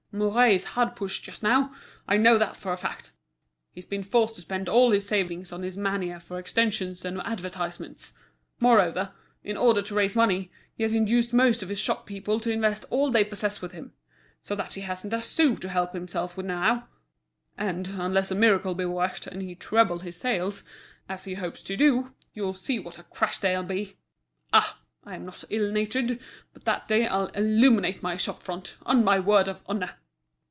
Mouret is hard pushed just now; I know that for a fact. He's been forced to spend all his savings on his mania for extensions and advertisements. Moreover, in order to raise money, he has induced most of his shop people to invest all they possess with him. So that he hasn't a sou to help himself with now; and, unless a miracle be worked, and he treble his sales, as he hopes to do, you'll see what a crash there'll be! Ah! I'm not ill natured, but that day I'll illuminate my shop front, on my word of honour!"